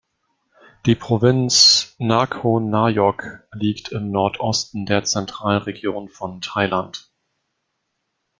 Die Provinz Nakhon Nayok liegt im Nordosten der Zentralregion von Thailand.